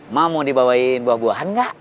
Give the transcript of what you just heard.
mak mau dibawain buah buahan gak